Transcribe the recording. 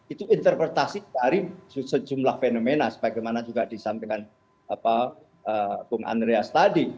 itu interpretasi dari sejumlah fenomena sebagaimana juga disampaikan bung andreas tadi